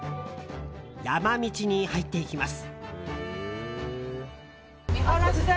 山道に入っていきます。